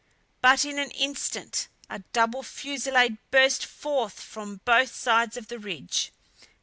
But in an instant a double fusillade burst forth from both sides of the ridge.